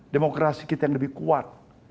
demokrasi kita yang lebih kuat